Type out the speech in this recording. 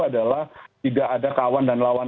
adalah tidak ada kawan dan lawan